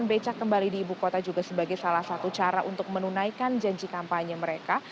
becak kembali di ibu kota juga sebagai salah satu cara untuk menunaikan janji kampanye mereka